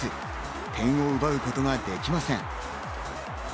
点を奪うことができません。